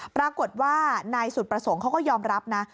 ปรากฏว่านายสุดประสงค์เขาก็ยอมรับนะ